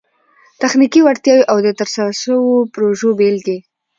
تخنیکي وړتیاوي او د ترسره سوو پروژو بيلګي